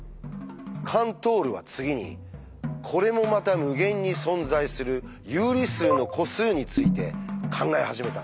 カントールは次にこれもまた無限に存在する「有理数の個数」について考え始めたんです。